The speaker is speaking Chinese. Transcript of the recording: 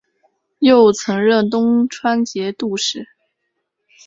又曾任东川节度使。